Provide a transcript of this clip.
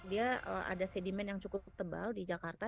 dia ada sedimen yang cukup tebal di jakarta